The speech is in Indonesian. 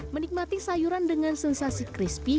menikmati sayuran dengan sensasi crispy